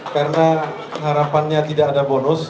karena harapannya tidak ada bonus